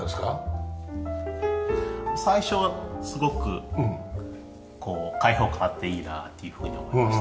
最初はすごくこう開放感があっていいなっていうふうに思いました。